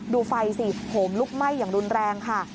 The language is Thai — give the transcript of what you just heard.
ดูไฟสิโหมลุกไหม้อย่างรุนแรงค่ะ